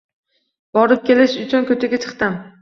Borib kelish uchun koʻchaga chiqdim.